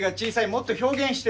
もっと表現して。